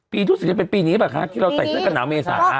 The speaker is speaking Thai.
ปีทุกสินทร์เป็นปีนี้ปะคะที่เราใส่เสื้อกระหนาวเมษา